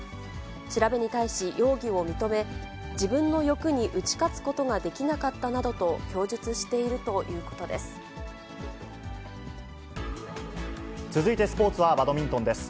調べに対し容疑を認め、自分の欲に打ち勝つことができなかったなどと供述しているという続いてスポーツはバドミントンです。